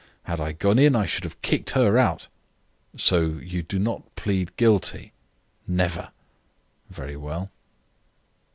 Had I gone in I should have kicked her out." "So you do not plead guilty?" "Never." "Very well."